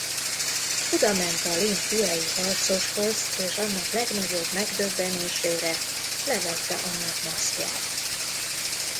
Odament a Lin Kuei-harcoshoz és annak legnagyobb megdöbbenésére levette annak maszkját.